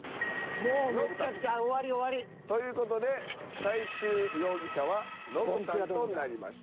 もうむちゃくちゃ終わり終わり。という事で最終容疑者はノブさんとなりました。